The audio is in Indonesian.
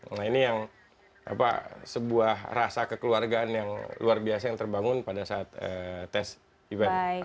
nah ini yang sebuah rasa kekeluargaan yang luar biasa yang terbangun pada saat tes event